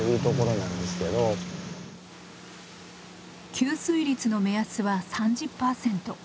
吸水率の目安は３０％。